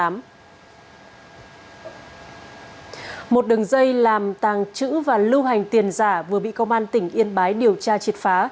một đường dây làm tàng trữ và lưu hành tiền giả vừa bị công an tỉnh yên bái điều tra triệt phá